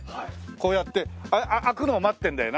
こうやって開くのを待ってるんだよな。